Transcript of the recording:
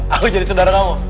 aku jadi saudara kamu